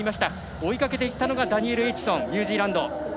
追いかけていったのがダニエル・エイチソンニュージーランド。